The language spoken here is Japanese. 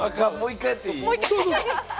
あかん、もう１回やっていい？